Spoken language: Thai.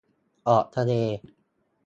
ออกทะเล